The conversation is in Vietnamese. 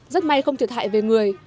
rất may không thiệt hại về người